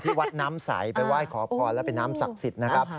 ที่วัดน้ำสายไปว่ายขอบพรและไปน้ำศักดิ์สิทธิ์นะครับ